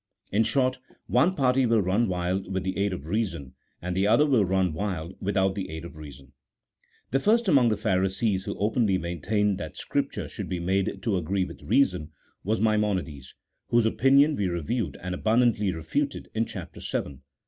In short, one party will run wild with the aid of reason, and the other will run wild without the aid of reason. The first among the Pharisees who openly maintained that Scripture should be made to agree with reason, was Maimonides, whose opinion we reviewed, and abundantly refuted in Chap. VII.